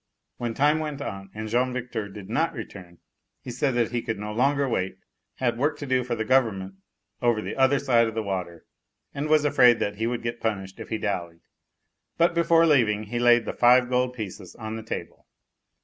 When time went on and Jean Victor did not return, he said that he could no longer wait, had work to do for the Government over the other side of the water and was afraid he would get punished if he dallied. But, before leaving, he laid the five gold pieces on the table.